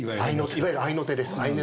いわゆる合いの手です。